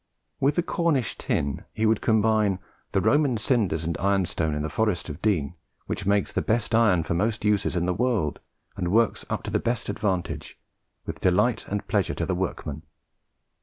With the Cornish tin he would combine "the Roman cinders and iron stone in the Forest of Dean, which makes the best iron for most uses in the world, and works up to the best advantage, with delight and pleasure to the workmen."